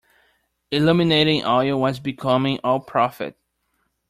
Illuminating oil was becoming all profit.